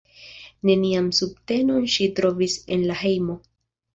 Nenian subtenon ŝi trovis en la hejmo.